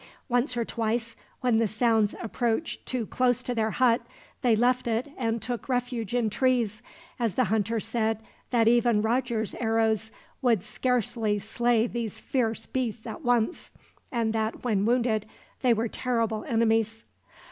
Once or twice, when the sounds approached too close to their hut, they left it and took refuge in trees, as the hunter said that even Roger's arrows would scarcely slay these fierce beasts at once; and that, when wounded, they were terrible enemies.